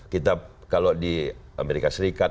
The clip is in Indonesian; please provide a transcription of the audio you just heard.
kita kalau di amerika serikat